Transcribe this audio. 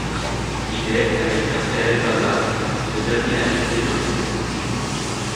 Il est, avec Raphael Vallade, le dernier arrivé dans le groupe.